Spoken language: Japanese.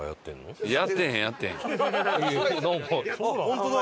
ホントだ！